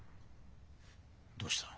どうした？